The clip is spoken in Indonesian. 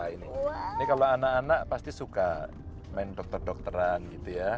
ini kalau anak anak pasti suka main dokter dokteran gitu ya